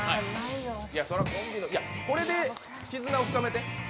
これで絆を深めて。